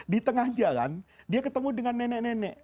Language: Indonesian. di tengah jalan dia ketemu dengan nenek nenek